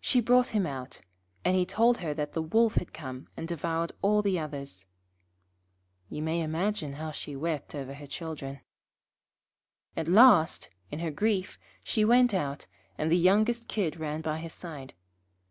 She brought him out, and he told her that the Wolf had come and devoured all the others. You may imagine how she wept over her children. At last, in her grief, she went out, and the youngest Kid ran by her side.